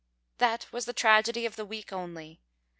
That was the tragedy of the week only.